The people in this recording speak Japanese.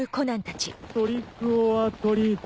トリックオアトリート。